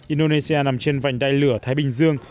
indonesia nằm trên vành đại lửa thái bình dương